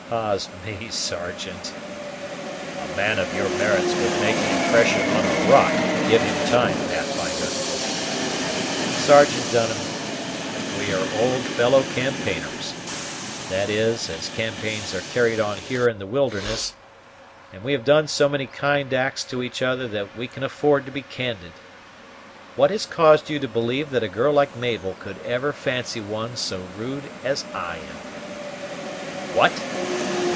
"Ah's me, Sergeant!" "A man of your merits would make an impression on a rock, give him time, Pathfinder." "Sergeant Dunham, we are old fellow campaigners that is, as campaigns are carried on here in the wilderness; and we have done so many kind acts to each other that we can afford to be candid what has caused you to believe that a girl like Mabel could ever fancy one so rude as I am?" "What?